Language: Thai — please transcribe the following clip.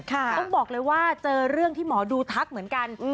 ต้องบอกเลยว่าเจอเรื่องที่หมอดูทักเหมือนกัน